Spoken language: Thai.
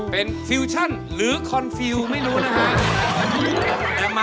ต้องเอาให้เข้าหรือเอาให้หา